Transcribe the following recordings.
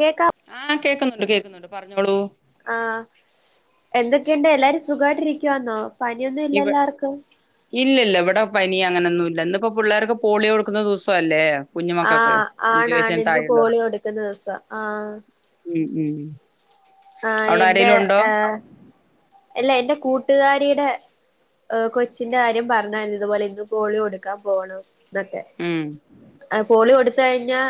കേക്കാം ആഹ് കേൾക്കുന്നുണ്ട് കേൾക്കുന്നുണ്ട് പറഞ്ഞോളൂ. ആഹ എന്തൊക്കെയുണ്ട് എല്ലാരും സുഖമായിട്ട് ഇരിക്കുവാന്നോ പനിയൊന്നും ഇല്ലല്ലൊ ആർക്കും. ഇല്ല ഇല്ല ഇവിടെ പനി അങ്ങനൊന്നും ഇല്ല ഇന്നിപ്പോ പിള്ളേർക്ക് പോളിയോ കൊടുക്കുന്ന ദിവസം അല്ലേ ആഹ ആണാണ് ഇന്ന് പോളിയൊ കൊടുക്കുന്ന ദിവസ ആഹ് ഉം ഉം ആ അവിടെ എന്റെ ആരേലും ഉണ്ടോ ആ അല്ല എന്റെ കൂട്ടുകാരിയുടെ കൊച്ചിന്റെ കാര്യം പറഞ്ഞായിരുന്നു ഇതുപോലെ ഇന്ന് പോളിയൊ കൊടുക്കാൻ പോണം എന്നൊക്കെ ഉം പോളിയൊ കൊടുത്ത് കഴിഞ്ഞാ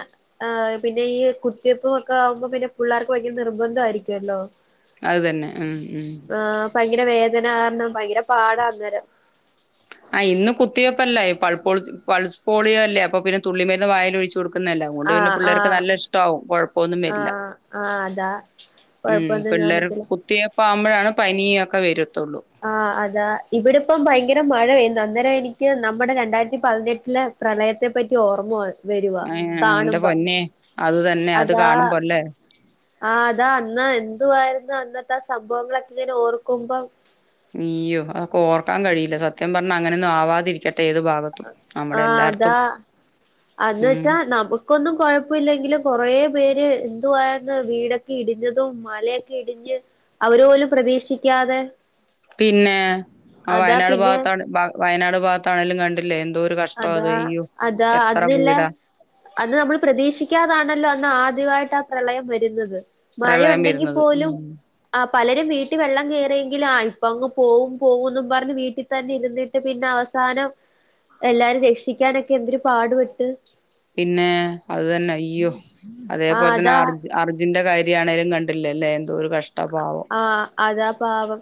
ആ പിന്നെ ഈ കുത്തിവെയ്പ്പും ഒക്കെ ആവുമ്പോ പിന്നെ പിള്ളർക്ക് ഭയങ്കര നിർബന്ധം ആയിരിക്കല്ലോ? അത് തന്നെ ഉം ഉം ഭയങ്കര വേദന കാരണം ഭയങ്കര പാടാ അന്നേരം. ആഹ് ഇന്ന് കുത്തിവെയപ്പല്ല പൾ പൾസ് പൊളിയൊ അല്ലേ അപ്പൊ പിന്നെ തുള്ളി മരുന്ന് വായിൽ ഒഴിച്ച് കൊടുക്കുന്നല്ലോ അത് കൊണ്ട് പിന്നെ ആഹ് പിള്ളേർക്ക് ആഹ് നല്ല ഇഷ്ടമാവും കൊഴപ്പമൊന്നും വരില്ല ആഹ് ആഹ് അതാ ഉം കൊഴപ്പൊന്നും പിള്ളേർ കാണത്തില്ല കുത്തിയേപ്പ് ആമ്പഴാണ് പനിയൊക്കെ വരത്തുള്ളൂ. ആ അതാ ഇവിടിപ്പം ഭയങ്കര മഴയ അന്നേരം എനിക്ക് നമ്മുടെ രണ്ടായിരത്തി പതിനെട്ടില് പ്രളയത്തെ പറ്റി ഓർമ്മ വ ആ എന്റെ പൊന്നേ അത് തന്നെ അത് കാണുമ്പോല്ലേ ആഹ അതാ അന്ന് എന്തുവായിരുന്നു അന്നത്തെ ആ സംഭവങ്ങളൊക്കെ ഇങ്ങനെ ഓർക്കുമ്പൊ ഇയ്യോ അതൊക്കെ ഓർക്കാൻ കഴിയില്ല സത്യം പറഞ്ഞാ അങ്ങനൊന്നും ആവാതിരിക്കട്ടെ ഏത് ഭാഗത്ത ആഹ അതാ അന്ന് ഉം. വെച്ചാ നമ്മുക്ക് ക്കൊന്നും കുഴപ്പ ഇില്ലെങ്കിലും കൊറേ പേര് എന്തുവായിര്ന്ന് വീടൊക്കെ ഇടിഞ്ഞതും മലയൊക്കെ ഇടിഞ്ഞ് അവര് പോലും പ്രതീക്ഷിക്കാതെ പിന്നെ ആ അതാ വയനാട് പിന്നെ ഭാഗത്ത് വയനാട് ഭാഗത്താണേലും കണ്ടില്ലേ എന്തോര് ക അതാ അതാ അന്നില്ലേ അന്ന് നമ്മൾ പ്രതീക്ഷിക്കാതാണല്ലോ അന്ന് ആദ്യവായിട്ട് ആ പ്രളയം വരുന്നത് മഴ പ്രളയം ഉണ്ടെങ്കിൽ വരുന്നത്. പോലും ഉം. ആ പലരും വീട്ടിൽ വെള്ളം കയറിയെങ്കിലും ആ ഇപ്പൊ അങ്ങ് പോവും പോവുംന്ന് പറഞ്ഞ് വീട്ടിൽ തന്നെ ഇരുന്ന് പിന്നെ അവസാനം എല്ലാരേം രക്ഷിക്കാനൊക്കെ എന്തൊരു പാടുപെട്ട് പിന്നെ അത് തന്നെ അയ്യോ ആ അതേപോലെ തന്നെ അതാ അർജു അർജുൻന്റെ കാര്യം ആണേലും കണ്ടില്ലേ ലേ എന്തോരു കഷ്ടം ആഹ് അതാ പാവം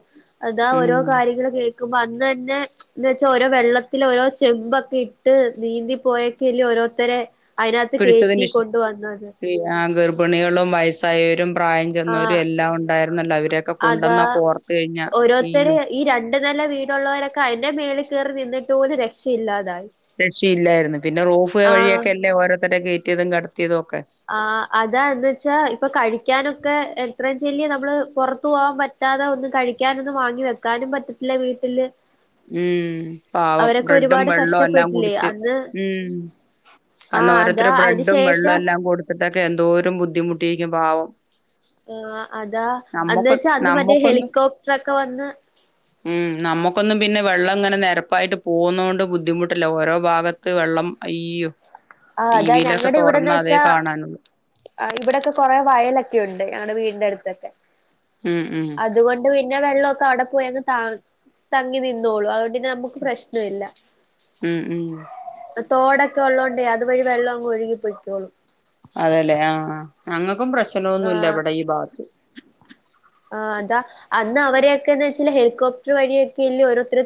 അതാ ഉം. ഓരോ കാര്യങ്ങൾ കേക്കുമ്പോ അന്ന് തന്നെ എന്ന് വെച്ചാ ഓരോ വെള്ളത്തില് ഓരോ ചെമ്പൊക്കെ ഇട്ട് നീന്തി പോയേക്കല്ല ഓരോത്തരെ അയിനാത്ത് കേറ്റി കൊണ്ട് വന്നത് ആഹ് ഗർഭിണികളും വയസ്സായോരും പ്രായം ആ ചെന്നോരും എല്ലാം ഉണ്ടായിരുന്നല്ലോ അവരൊക്കെ അതാ കൊണ്ടന്നൊക്കെ ഓർത്തു കഴിഞ്ഞാൽ ഓരോരുത്തര് ഇയ്യോ ഈ രണ്ടു നെല വീടുള്ളോരൊക്കെ അതിന്റെ മേളിൽ കയറി നിന്നിട്ട് പോലും രക്ഷയില്ലാതായി രക്ഷിയില്ലായിരുന്നു പിന്നെ റൂഫ് ആഹ് വഴിയൊക്കെ അല്ലേ ഓരോത്തരെ കയറ്റിയതും കടത്തിയതും ഒക്കെ ആ അതാ എന്ന് വെച്ചാ ഇപ്പൊ കഴിക്കാനൊക്കെ എത്രയും ചെയ്യാ നമ്മള് പുറത്തു പോവാൻ ഒന്നും കഴിക്കാനൊന്നും വാങ്ങി വെക്കാനും പറ്റത്തില്ല വീട്ടില് ഉം പാവം അവരൊക്കെ ബ്രെഡും ഒരുപാട് വെള്ളോം എല്ലാം കഷ്ടപ്പെട്ടില്ലേ കുടിച്ച് അന്ന് ഉം അന്ന് ആഹ് അതാ ഓരോത്തരു അതിന് ബ്രെഡും വെള്ളം ശേഷം എല്ലാം കൊടുത്തിട്ടൊക്കെ എന്തോരം ബുദ്ധിമുട്ടിക്ക് പാവം ആഹ് അതാ അന്ന് നമ്മക്ക് വെച്ചാ അന്ന് മറ്റേ നമ്മക്കൊന്നും ഹെലികോപ്റ്റർ ഒക്കെ വന്ന് ഉം നമുക്ക് നമുക്കൊന്നും പിന്നെ വെള്ളം ഇങ്ങനെ നെരപ്പായിട്ട് പോവുന്നത് കൊണ്ട് ബുദ്ധിമുട്ടില്ല ഓരോ ഭാഗത്ത് വെള്ളം അയ്യോ ആഹ് അതാ ടിവിയിലൊക്കെ ഞങ്ങടെ ഇവിടെന്ന് തൊറന്നാ അതേ വെച്ചാ കാണാനുള്ളൂ. ആഹ് ഇവിടെ ഒക്കെ കൊറേ വയലൊക്കെ ഉണ്ട് ഞങ്ങടെ വീടിന്റെ അടുത്തൊക്കെ ഉം ഉം അതുകൊണ്ട് പിന്നെ വെള്ളം ഒക്കെ അവിടെ പോയങ്ങ് താന്ന് തങ്ങി നിന്നോളും അതോണ്ടിന്നെ നമുക്ക് പ്രശ്നം ഇല്ല ഉം ഉം തോടൊക്കെ ഒള്ളോണ്ടേ അത്‌ വഴി വെള്ളം അങ്ങ് ഒഴുകി പോയ്ക്കോളും അതേലേ ആഹ ഞങ്ങക്കും പ്രശ്നൊന്നുല്ല ഇവിടെ ഈ ഭാഗത്ത് ആ അതാ അന്ന് അവരൊക്കെന്ന് വെച്ചല് ഹെലികോപ്റ്റർ വഴിയൊക്കെല്ല ഓരോരുത്തരെ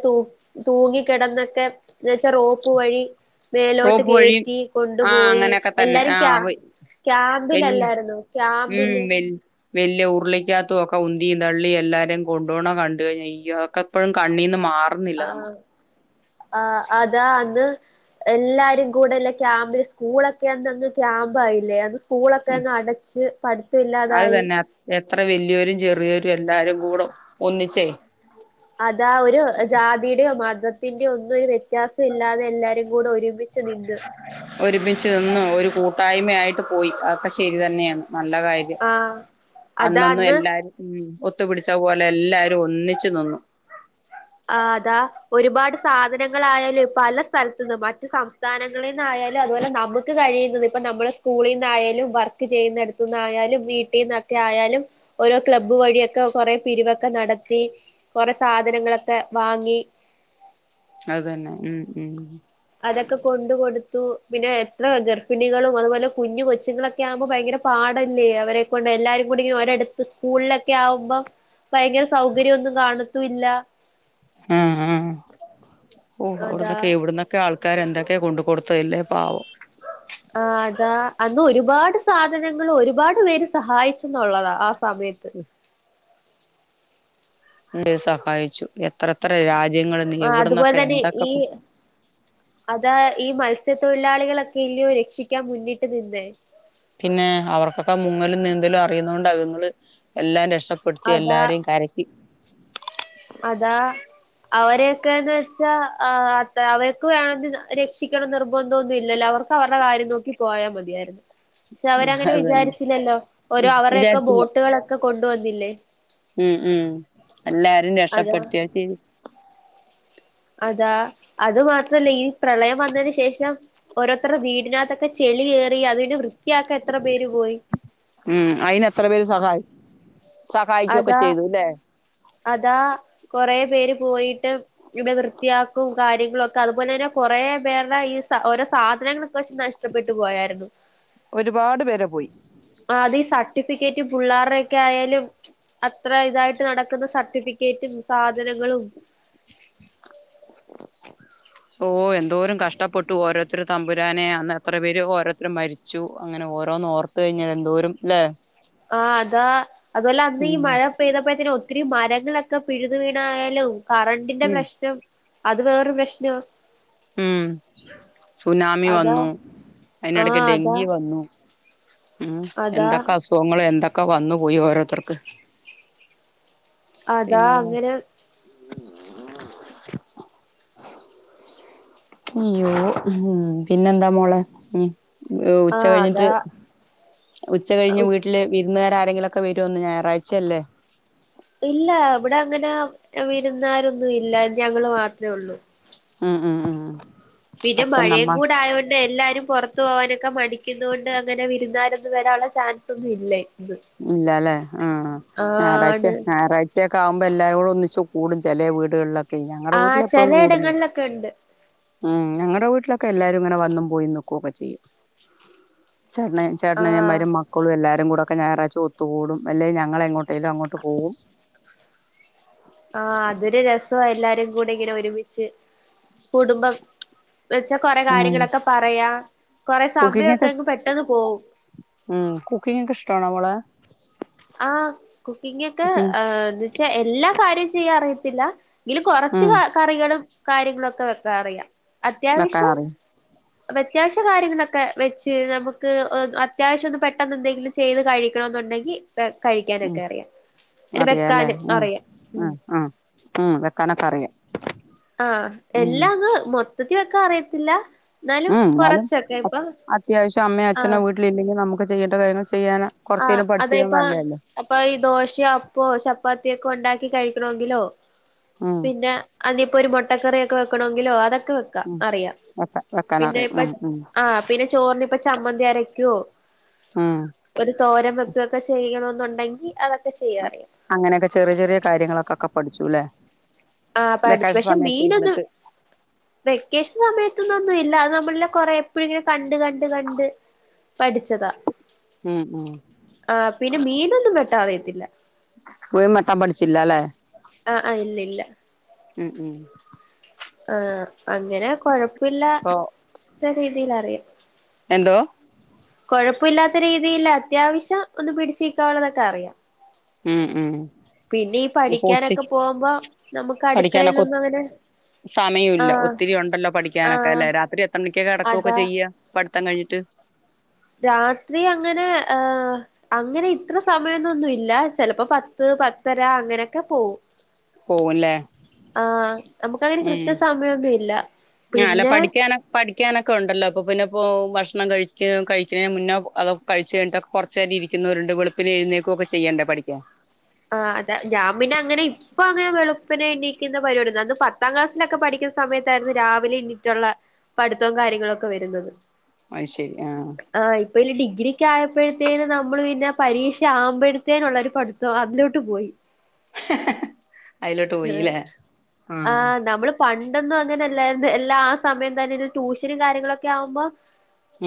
തൂങ്ങി കെടന്നൊക്കെ എന്ന് വെച്ചാ റോപ്പ് വഴി മേലോട്ട് റോപ്പ് വഴിയും കേറ്റി കൊണ്ടു ആഹ് പോയി അങ്ങനെയൊക്കെ തന്നെ. എല്ലാരിം ആഹ് വെ ക്യാമ്പിൽ ക്യാമ്പിലല്ലായിരുന്നോ ക്യാമ്പില് വല്ല്യ ഉരുളിക്കാത്തും ഒക്ക ഉന്തിയും തള്ളിയും എല്ലാരേം കൊണ്ടോണ കണ്ടഴിഞ്ഞാ അയ്യോ ക്കപ്പഴും കണ്ണീന്ന് മാറ ആഹ് ആഹ് അതാ അന്ന്‌ എല്ലാരും കൂടെല്ല ക്യാമ്പില് സ്കൂളൊക്കെയന്നങ്ങ് ക്യാമ്പായില്ലേ അന്ന് സ്കൂളൊക്കെ ഉം അങ്ങ് അടച്ച് അത് പഠിത്തഇല്ലാതായി തന്നെ എത്ര വല്ല്യോരും ചെറിയോരും എല്ലാരും കൂട ഒന്നിച്ചേ അതാ ഒരു ജാതിയുടെയോ മതത്തിന്റെയോ ഒന്നും ഒരു വ്യത്യാസഇല്ലാതെ എല്ലാരും കൂട ഒരുമി മിച്ച് നിന്ന് ഒരുമിച്ച് നിന്ന്‌ ഒരു കൂട്ടായ്മയായിട്ട് പോയി അതൊക്കെ ശരി തന്നെയാണ് നല്ല കാര്യം ആ അതാ അന്നൊന്ന് അന്ന് എല്ലാരും ഉം ഒത്തു പിടിച്ച പോലെ എല്ലാരും ഒന്നിച്ച് നിന്നു ആഹ് അതാ ഒരുപാട് സാധനങ്ങളായാലും പല സ്ഥലത്തി ന്നും മറ്റു സം സ്ഥാനങ്ങളിൽ ന്നായാലും അതുപോലെ നമുക്ക് കഴിയുന്നത് ഇപ്പ നമ്മള സ്കൂളീന്നായാലും വർക്ക് ചെയ്യുന്നെട ന്നായാലും വീട്ടീന്നൊക്കെ ആയാലും ഓരോ ക്ലബ്ബ് വഴിയൊക്കെ കുറേ പിരിവൊക്കെ നടത്തി കൊറേ സാധനങ്ങളൊക്കെ വാങ്ങി അതന്നെ ഉം ഉം അതൊക്കെ കൊണ്ടു കൊടുത്തു പിന്നെ എത്ര ഗർഭിണികളും അതുപോലെ കുഞ്ഞു കൊച്ചുങ്ങളൊ ക്കെ ആകുമ്പോ ഭയങ്കര പാടല്ലേ അവരെ കൊണ്ട് എല്ലാരും കൂടി ഇങ്ങനെ ഒരിടത്ത് സ്കൂളിലൊക്കെ ആകുമ്പം ഭയങ്കര സൗകര്യംഒന്നും കാണത്തു ഇല്ല ആഹ് ആഹ് ഓ അതാ അവിടന്നൊക്കെ എവിടന്നൊക്കെ ആൾക്കാര് എന്തൊക്കെയാ കൊണ്ട് കൊടു ത്തല്ലേ പാവം ആഹ് അതാ അന്ന് ഒരുപാട് സാധനങ്ങൾ ഒരുപാട് പേര് സഹായിച്ചെന്നുള്ളതാ ആ സമയത്ത് ഉം ഉം സഹായിച്ചു എത്രത്ര രാജ്യങ്ങളിന്ന് ആ അതുപോലെ എവിടുന്നൊക്കെ തന്നെ എന്തൊക്കെ ഈ അതാ ഈ മത്സ്യത്തൊഴിലാളികളൊക്കെ ഇല്ല്യോ രക്ഷിക്കാൻ മുന്നിട്ട് നിന്നേ പിന്നെ അവർക്കൊക്കെ മുങ്ങലും നീന്തലും അറിയുന്ന കൊണ്ട് അവങ്ങള് എല്ലാം രക്ഷ പ്പെടുത്തി അതാ എല്ലാരെയും കരക്കി അതാ അവരെക്കേന്ന് വെച്ചാൽ അ അവർക്ക് വേണമെന്ന് രക്ഷിക്കണമെന്ന് നിർബന്ധൊന്നും ഇല്ലല്ലോ അവർ ക്കവരുടെ കാര്യം നോക്കി പോയാ. മതിയാരുന്നു പക്ഷെ ഉം അവരങ്ങനെ അത് തന്നെ വിചാരിച്ചില്ലല്ലോ ഓരോ അവരുടെയൊക്കെ വിചാരിച്ചില്ല ബോട്ടുകളൊക്കെ കൊണ്ടുവന്നില്ലേ ഉം ഉം എല്ലാരും അതാ രക്ഷപെടുത്തിയ ശെരി അതാ അത് മാത്രല്ല ഈ പ്രളയം വന്നതിന് ശേഷം ഓരോരുത്തർടെ വീടിനകത്തൊക്കെ ചെളി കേറി അത് പിന്നെ വൃത്തിയാക്കാൻ എത്ര പേര് പോയി ഉം അയിന് എത്ര പേര് സഹായി സഹായിക്കുവൊക്കെ അതാ ചെയ്തു അല്ലേ അതാ കൊറേ പേര് പോയിട്ട് ഇവ വൃത്തിയാക്കും കാര്യങ്ങളൊക്കെ അതുപോലെ ന്നെ കൊറേ പേരുടെ ഈ സ ഓരോ സാധനങ്ങളും നഷ്ടപ്പെട്ടു പോയാരുന്നു ഒരുപാട് പേര പോയി ആഹ് അത് ഈ സർട്ടിഫിക്കറ്റ് പു ള്ളാരുടെ ഒക്കെ ആയാലും അത്ര ഇതായിട്ട് നട ക്കുന്ന സർട്ടിഫിക്കറ്റും സാധനങ്ങളും ഓഹ് എന്തോരം കഷ്ടപ്പെട്ടു ഓരോരുത്തരും തമ്പുരാനെ അന്ന് എത്ര പേര് ഓരോരുത്തര് മരിച്ചു അങ്ങനെ ഓരോന്ന്‌ ഓർത്ത് കഴിഞ്ഞാൽ എന്തോരും അല്ലേ ആഹ് അതാ അതുഅല്ല അന്ന് ഈ ഉം മഴ ചെയ്തപ്പോത്തേനും ഒത്തിരി മരങ്ങളൊക്കെ പിഴുതു വീണായാലും കറണ്ടിന്റെ ഉം പ്രശ്നം അത് വേറൊരു പ്രശ്നാ ഉം സുനാമി അതാ വന്നു അതിനിടയ്ക്ക് ആഹ് അതാ ഡെങ്കി വന്നു ഉം അതാ എന്തക്ക അസുഖങ്ങള്‌ എന്തക്ക വന്നു പോയി ഓരോത്തർക്ക് അതാ അങ്ങനെ അയ്യോ ഉ പിന്നെന്താ മോളെ ഉ ഉച്ച ആഹ് കഴിഞ്ഞിട്ട് അതാ ഉച്ച കഴിഞ്ഞ് വീട്ടില് വിരുന്നുകാര് ആരെങ്കിലുംക്കെ വരോന്ന് ഞായറാഴ്ചയല്ലേ ഇല്ല ഇവിടെ അങ്ങനെ വിരുന്നാരൊന്നും ഇല്ല ഞങ്ങള് മാത്രമേ ഉള്ളൂ ഉം ഉം ഉം പിന്നെ അച്ഛൻ അമ്മ മഴയും കൂട ആയതുകൊണ്ട് എല്ലാരും പുറത്ത് പോവാനൊക്കെ മടിക്കുന്നൊണ്ട് അങ്ങനെ വിരുന്നാരൊന്നും വരാനുള്ള ചാൻസ ഒന്നും ഇല്ലേ ഇല്ലല്ലെ ആഹ് ഞായറാഴ്ച്ച ആണ് ഞായറാഴ് ച്ചയൊക്കെ ആകുമ്പോ എല്ലാരും കൂടെ ഒന്നിച്ചച്ച് കൂടും ചില വീടുകളിലൊക്കെ ഞങ്ങളടെ ആഹ് വീട്ടില് എപ്പോഴും കൂടുന്നത് ചെലയിടങ്ങളിലൊക്കെ ഉണ്ട് ഉം ഞങ്ങളടെ വീട്ടിലൊക്കെ എല്ലാരും ഇങ്ങനെ വന്നും പോയി നിക്കുവൊക്കെ ചെയ്യും ചേട്ടന ആഹ് ചേട്ടനനനിയന്മാരും മക്കളും എല്ലാരും കൂടെ ഒക്ക ഞായറാഴ്ച്ച ഒത്തുകൂടും അല്ലേ ഞങ്ങളെങ്ങട്ടേലും അങ്ങോട്ട് പോകും ആഹ് അതൊരു രസ് എല്ലാരും കൂടി ഇങ്ങനെ ഒരുമിച്ച് കുടുംബം വെച്ച കൊറെ ഉം കാര്യങ്ങളൊക്കെ പറയാ കൊറെ കുക്കിംഗ് ഒക്കെ ഇഷ് സമയൊക്കെങ്ങ് പെട്ടെന്ന് പോവും ഉം കുക്കിഗ് ഒക്കെ ഇഷ്ടണോ മോളെ ആഹ് കുക്കിങ്ങ് ഒക്കെ കുക്കിംഗ് എന്നു വച്ചാ എല്ലാ കാര്യവും ചെയ്യാ അറിയത്തില്ല എങ്കില് കുറച്ച് ഉം കറികളും കാര്യങ്ങളും ഒക്കെ വെക്കാ അറിയാം വെക്കാ അത്യാവശ്യം അറിയും അത്യാവശ്യ കാര്യങ്ങളൊക്കെ വെച്ച് നമുക്ക് അത്യാവശ്യം ഒന്ന് പെട്ടെന്ന് എന്തെങ്കിലും ചെയ്ത് കഴിക്കണ എന്നുണ്ടെങ്കിൽ കഴിക്കാനൊക്കെ അറിയാം അറിയല്ലേ വെക്കാനും അഹ് അറിയാം ഉം അഹ് അഹ് വെക്കാനൊക്കെ അറിയാം ആന് ഉം എല്ലാം അങ് മൊത്തത്തി വെക്കാ അറിയത്തില്ല ഉം എന്നാലും കൊറച്ചൊക്കെ ഇപ്പൊ അത്യാവശ്യം അമ്മേ അച്ഛനെ ആഹ് വീട്ടില ഇല്ലെങ്കിൽ നമുക്ക് ചെയ്യേണ്ട കാര്യങ്ങള് ചെയ്യാൻ കൊറച്ചേലും പഠിച്ചത് നല്ലതല്ലോ പ്പൊ ഈ ദോശയോ അപ്പോ ചപ്പാത്തിയൊക്കെ ഉണ്ടാക്കി കഴിക്കണങ്കിലോ ഉം പിന്നെ അതിപ്പോ ഒരു മൊട്ടക്കറിക്കെ വെക്കണെങ്കിലോ അതൊക്കെ വെ ക് ക്ക ഉം അറിയാ വെക്ക പിന്നെ വെക്കാനറിയാം ഇപ്പ ഉം ഉം ആ പിന്നെ ചോറിന് ഇപ്പ ചമ്മന്തി ആരക്കോ ഉം ഒരു തോരൻ വെക്കുകൊക്കെ ചെയ്യണന്നുണ്ടെങ്കി അതൊക്കെ ചെയ്യാ അറിയാ അങ്ങനെയൊക്കെ ചെറിയ ചെറിയ കാര്യങ്ങളൊക്കൊക്കെ പഠിച്ചുല്ലേ ആഹ് പഠിച്ചു വെക്കേഷൻ പക്ഷെ സമയത്ത് മീനൊന്നും ഇരുന്നിട്ട് വെക്കേഷൻ സമയത്തൊന്ന് ഒന്നും ഇല്ല അത് നമ്മള് ല്ലെ കൊറെ എപ്പോഴും ഇങ്ങനെ കണ്ട് കണ്ട് കണ്ട് പഠിച്ചതാ ഉം ഉം ആ പിന്നെ മീനൊന്നും വെട്ടാനറിയത്തില്ല ഇപ്പഴും വെട്ടാൻ പഠിച്ചില്ലല്ലേ ആഹ് ആഹ് ഇല്ല ഇല്ല ഉം ഉം ആഹ് അങ്ങനെ ഇപ്പൊ കൊഴപ്പില്ലത്ത രീതിൽ അറിയാം എന്തോ കൊഴപ്പല്ലാത്ത രീതിയിൽ അത്യാവശ്യം ഒന്ന് പിടിച് നി ക്കാനുള്ളതൊക്കെ അറിയാം ഉം ഉം പിന്നെ ഈ ഇപ്പൊ പഠിക്കാനൊക്കെ ഉച്ചക്ക് പോവു മ്പോ നമക്ക് അടുക്കളെലൊന്നും അങ്ങനെ ആ സമയൊല്ല ഒത്തിരി ഉണ്ടല്ലോ ആ പഠിക്കാനൊക്കെ ല്ലെ രാത്രി എത്ര മണിക്ക കെടക്കൊക്കെ അതാ ചെയ്യ പഠിത്തം കഴ്ഞ്ഞിട്ട് രാത്രി അങ്ങനെ ഏഹ് അങ്ങനെ ഇത്ര സമയൊന്നൊന്നും ഇല്ല ചിലപ്പോ പത്ത് പത്തര അങ്ങനെയൊക്കെ പോവും പോകുംല്ലേ ആഹ് നമുക്കങ്ങനെ കൃത്യ സമയൊന്നും ഇല്ല ഞാ അല്ല പിന്നെ പഠിക്കാണോ പഠിക്കാനൊക്കെ ഒണ്ടല്ലോ അപ്പൊ പിന്നെ ഇപ്പോ ഭക്ഷണം കഴിക്ക കഴിക്കണേന്റെ മുന്നോ അതോ കഴിച്ച് കഴിഞ്ഞിട്ടോ കൊറച്ച് നേരം ഇരിക്കുന്നോരുണ്ട് വെളുപ്പിനെ എഴുന്നേക്കുവൊക്കെ ചെയ്യണ്ടേ പഠിക്കാൻ ആഹ് അതാ ഞാൻ പിന്നെ അങ്ങനെ ഇ പ്പൊ അങ്ങനെ വെളുപ്പിനെ എണീക്കുന്ന പരിപാടി ഒന്നുവില്ല അന്ന് പത്താം ക്ലാസിലൊക്കെ പഠിക്കുന്ന സമയത്തായിരുന്നു രാവിലെ എണീറ്റൊള്ളെ പഠിത്തവും കാര്യങ്ങളൊക്കെ വരുന്നത് അത് ശരി ആഹ് ആഹ് ഇപ്പൊ പിന്നെ ഡിഗ്രിക്ക് ആയപ്പോഴത്തേനും നമ്മള് പിന്നെ പരീക്ഷ ആവുമ്പോഴത്തേനും ഉള്ളൊരു പഠി ഓ അതിലോട്ട് പോയി അതിലോട്ട് ആ പോയില്ലേ ആ നമ്മള് പണ്ടൊന്നും അങ്ങനെ അല്ലായിരുന്നു എല്ലാ ആ സമയം തന്നെ ട്യൂഷനും കാര്യങ്ങളൊക്കെ ആവുമ്പോ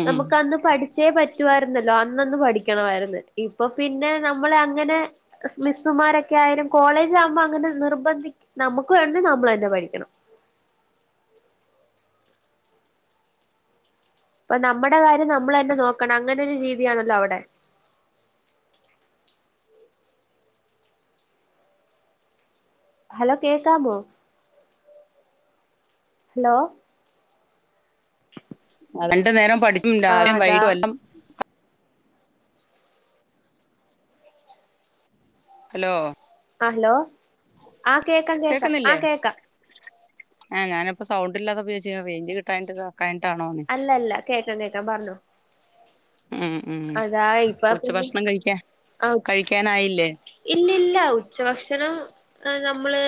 ഉം നമുക്ക് അന്ന് പഠി ച്ചേ പറ്റുവായിരുന്നല്ലോ അന്നന്ന് പഠിക്കണവായിരുന്നു ഇപ്പൊ പിന്നെ നമ്മള് അങ്ങനെ മിസ്സുമാരൊക്കെ ആയാലും കോളേജ് ആകുമ്പോ അങ്ങനെ നിർബന്ധി നമുക്ക് വേണ്ടത് നമ്മള് തന്നെ പഠിക്കണം ഇപ്പൊ നമ്മടെ കാര്യം നമ്മള് തന്നെ നോക്കണം അങ്ങനെ ഒരു രീതിയാണല്ലോ അവിടെ ഹലോ കേക്കാമോ ഹലോ രണ്ടു നേരം പഠിക്കും ആഹ് രാവിലെയും അതാ വൈകിട്ടും എല്ലാം ഹലോ ആലോ ആഹ് കേക്കാം കേക്കാം ആ കേക്കാം ആഹ് ഞാനിപ്പൊ സൗണ്ട് ഇല്ലാതെ ഉപയോഗിച്ച് റേഞ്ച് കിട്ടാഞ്ഞിട്ട് ഇതാ കഴിഞ്ഞിട്ടാണോ അല്ലല്ല കേക്കാം കേക്കാം പറഞ്ഞോ ഉം ഉം അതാ ഇപ്പ ഉച്ച പിന്നെ ഭക്ഷണം കഴിക്കാൻ കഴിക്കാനായില്ലേ ഇല്ല ഇല്ല ഉച്ചഭക്ഷണം എ നമ്മള്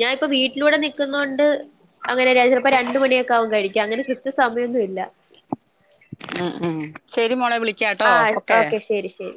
ഞാൻ ഇപ്പം വീട്ടിലൂടെ നിക്കുന്നോണ്ട് അങ്ങനെ ര ചെലപ്പോ രണ്ട് മണിയൊക്കെ ആകും കഴിക്കാൻ അങ്ങനെ ക്രിത്യ സ മയൊന്നും ഇല്ല ഉം ഉം ശരി മോളെ വിളിക്കാട്ടോ ഓക്കെ ശരി ശരി